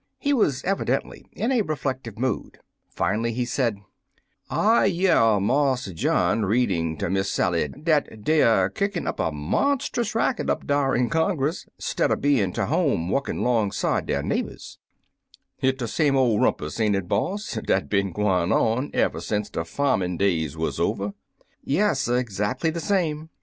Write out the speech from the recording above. He was evidently in a re flective mood. Finally he said: — "I year Marse John readin' ter Miss i66 Political Theories Sally dat dey er kickin' up a monst'us racket up dar in Conguss stidder bein' ter home wukkin* 'longside dere neighbors. Hit de same ole rumpus, ain't it boss, dat bin gwine on ever sence de fa'min* days wuz over?*' "Yes; exactly the same."